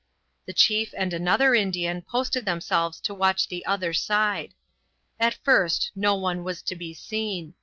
The chief and another Indian posted themselves to watch the other side. At first no one was to be seen.